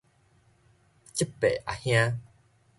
叔伯阿兄